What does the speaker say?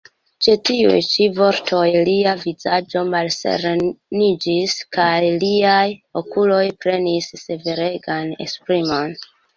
Ĉe tiuj ĉi vortoj lia vizaĝo malsereniĝis, kaj liaj okuloj prenis severegan esprimon.